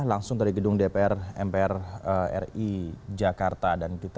langsung dari gedung dpr mpr ri jakarta